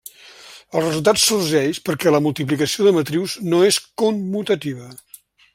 El resultat sorgeix perquè la multiplicació de matrius no és commutativa.